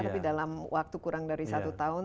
tapi dalam waktu kurang dari satu tahun